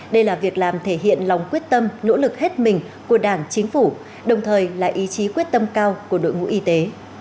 đây là việc làm thể hiện lòng quyết tâm nỗ lực hết mình của đảng chính phủ đồng thời là ý chí quyết tâm cao của đội ngũ y tế